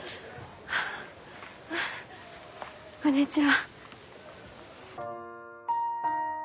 ああこんにちは。